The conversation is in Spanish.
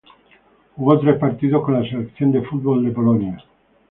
Jugó tres partidos con la selección de fútbol de Polonia.